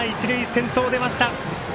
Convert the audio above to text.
先頭出ました。